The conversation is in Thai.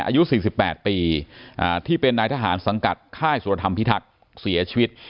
อายุ๔๘ปีที่เป็นนายทหารสังกัดค่ายสุรธรรมพิทักษ์เสียชีวิต